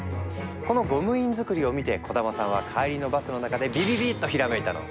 このゴム印作りを見て小玉さんは帰りのバスの中でビビビッとひらめいたの！